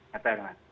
kata yang lain